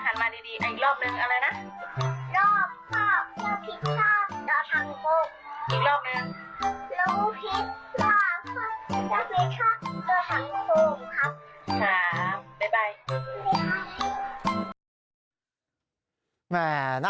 รู้ผิดรอบครอบและพิกษ์ครอบและทังคม